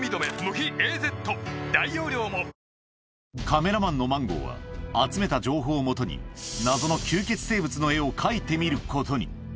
カメラマンのマンゴーは、集めた情報をもとに、謎の吸血生物の絵を描いてみることに。